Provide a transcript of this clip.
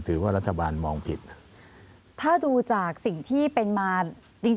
ถือว่ารัฐบาลมองผิดถ้าดูจากสิ่งที่เป็นมาจริงจริง